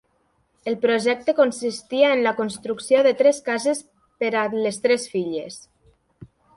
El projecte consistia en la construcció de tres cases per a les tres filles.